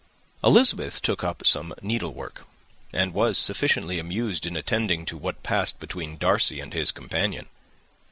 Elizabeth took up some needlework, and was sufficiently amused in attending to what passed between Darcy and his companion.